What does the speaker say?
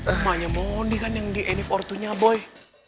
emangnya mondi kan yang di nfo tuh nyaboy